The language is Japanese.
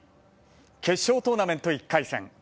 決勝トーナメント１回戦。